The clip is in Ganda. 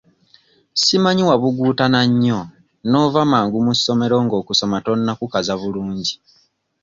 Simanyi wabuguutana nnyo n'ova mangu mu ssomero ng'okusoma tonnakukaza bulungi?